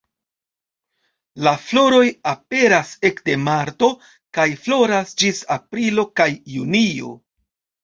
La floroj aperas ekde marto kaj floras ĝis aprilo kaj junio.